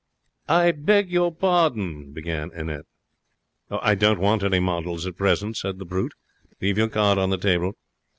'I beg your pardon,' began Annette. 'I don't want any models at present,' said the Brute. 'Leave your card on the table.'